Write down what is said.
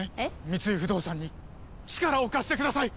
三井不動産に力を貸してください！